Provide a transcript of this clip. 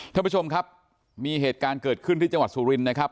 ท่านผู้ชมครับมีเหตุการณ์เกิดขึ้นที่จังหวัดสุรินทร์นะครับ